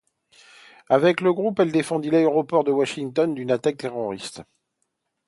Avec le groupe, elle défendit l'aéroport de Washington d'une attaque terroriste.